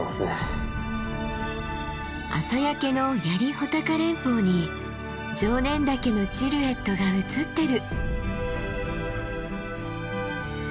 朝焼けの槍・穂高連峰に常念岳のシルエットが映ってる。